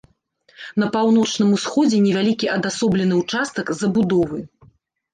На паўночным усходзе невялікі адасоблены ўчастак забудовы.